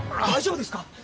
大丈夫ですか？